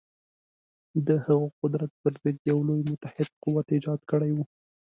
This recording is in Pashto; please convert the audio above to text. د هغه قدرت پر ضد یو لوی متحد قوت ایجاد کړی وای.